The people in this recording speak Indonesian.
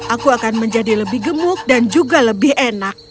aku akan menjadi lebih gemuk dan juga lebih enak